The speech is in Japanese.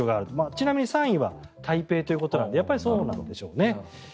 ちなみに３位は台北ということなのでやっぱりそうなんでしょうね。